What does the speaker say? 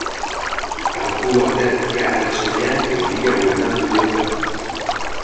Hartu aterkia arratsaldean euria bueltan dugu eta.